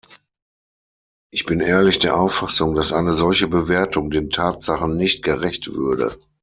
Ich bin ehrlich der Auffassung, dass eine solche Bewertung den Tatsachen nicht gerecht würde.